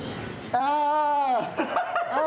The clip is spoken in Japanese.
ああ！